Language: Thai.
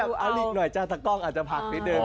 เอาอีกหน่อยจ้าตะกล้องอาจจะผักนิดนึง